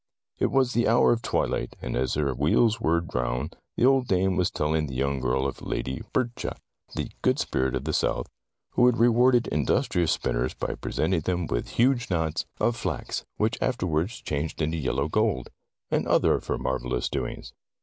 It was the hour of twilight, and as their wheels whirred round, the old dame was telling the young girl of Lady Berchta, the Good Spirit of the South, who rewarded industrious spin ners by presenting them with huge knots 20 Tales of Modern Germany of flax, which afterward changed into yellow gold, and other of her marvelous doings.